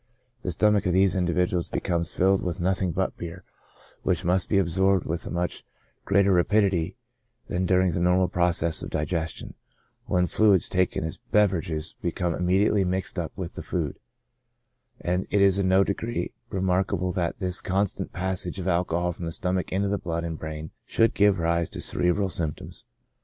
The stomach of these individuals becomes filled with nothing but beer, which must be absorbed with a much greater rapidity than during the normal process of digestion, when fluids taken as beverages become intimately mixed up with the food ; and it is in no degree remarkable that this constant passage of alcohol from the stomach into the blood and brain should give rise to cerebral symptoms.